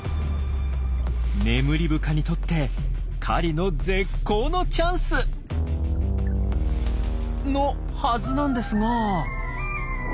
ネムリブカにとって狩りの絶好のチャンス！のはずなんですが。